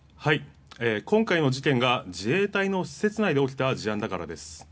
今回の事件が自衛隊の施設内で起きた事案だからです。